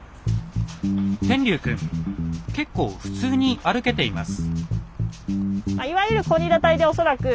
天龍くん結構普通に歩けています。